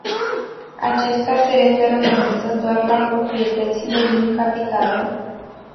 Acesta se referă însă doar la proprietățile din capitală.